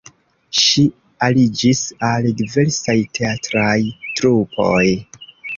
Ŝi aliĝis al diversaj teatraj trupoj.